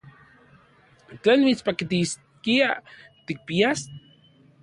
¿Tlen mitspaktiskia tikpias?